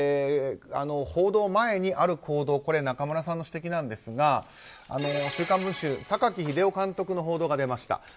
報道前にある行動これは中村さんの指摘なんですが「週刊文春」榊英雄監督の報道が出ました。